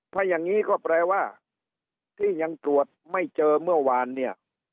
ถ้าอย่างนี้ก็แปลว่าที่ยังตรวจไม่เจอเมื่อวานเนี่ย